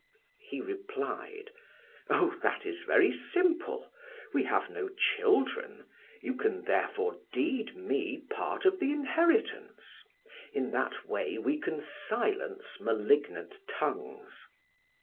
He replied: "Oh, that is very simple. We have no children; you can therefore deed me part of the inheritance. In that way we can silence malignant tongues."